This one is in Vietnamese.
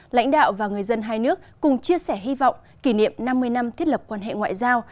lãnh đạo và người dân hai nước cùng chia sẻ hy vọng kỷ niệm năm mươi năm thiết lập quan hệ ngoại giao